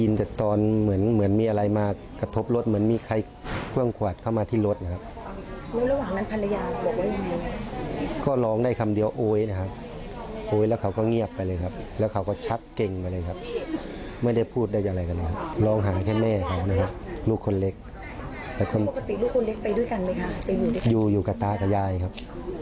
ก็ไม่รู้จะพูดอะไรครับก็ให้กฎหมายให้กฎหมายอะไรนะครับ